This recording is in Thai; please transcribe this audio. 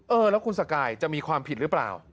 เออแล้วคุณสกายจะมีความผิดหรือเปล่า